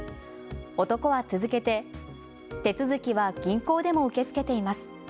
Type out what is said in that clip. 男は続けて手続きは銀行でも受け付けています。